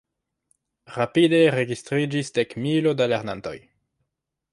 Rapide registriĝis dekmilo da lernantoj.